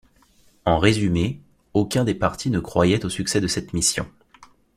En résumé, aucun des partis ne croyait au succès de cette mission.